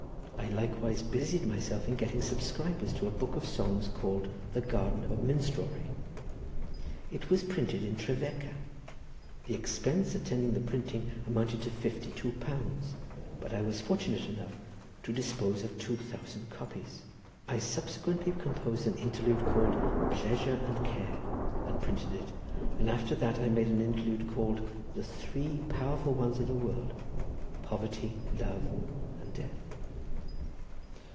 I likewise busied myself in getting subscribers to a book of songs called the 'Garden of Minstrelsy.' It was printed at Trefecca. The expense attending the printing amounted to fifty two pounds, but I was fortunate enough to dispose of two thousand copies. I subsequently composed an interlude called 'Pleasure and Care,' and printed it; and after that I made an interlude called the 'Three Powerful Ones of the World: Poverty, Love, and Death.